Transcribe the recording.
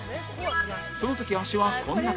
その時足はこんな感じ